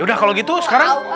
yaudah kalau gitu sekarang